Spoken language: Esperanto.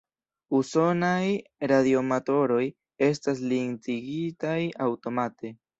Usonaj radioamatoroj estas listigitaj aŭtomate.